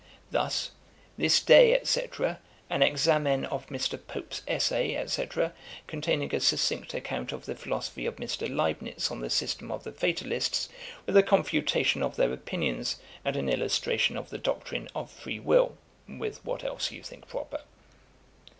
Thus, "This day, &c., An Examen of Mr. Pope's Essay, &c., containing a succinct Account of the Philosophy of Mr. Leibnitz on the System of the Fatalists, with a Confutation of their Opinions, and an Illustration of the Doctrine of Free will;" [with what else you think proper.